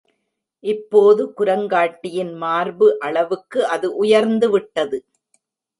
இப்போது குரங்காட்டியின் மார்பு அளவுக்கு அது உயர்ந்து விட்டது.